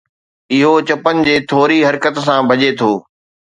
اهو چپن جي ٿوري حرڪت سان ڀڃي ٿو